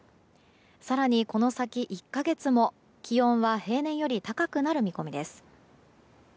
更にこの先１か月も気温は平年より高くなる見込みです。